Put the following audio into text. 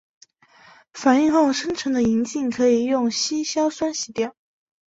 反应后生成的银镜可以用稀硝酸洗掉。